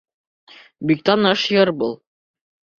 Бик таныш йыр был.